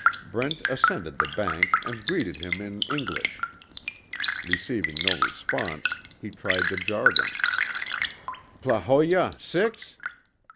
Brent ascended the bank and greeted him in English. Receiving no response, he tried the jargon: "_Klahowya, six?